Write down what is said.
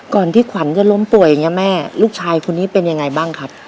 ก่อนที่ขวัญจะล้มป่วยอย่างนี้แม่ลูกชายคนนี้เป็นยังไงบ้างครับ